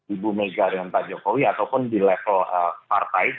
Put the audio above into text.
ibu mega dengan pak jokowi ataupun di level partai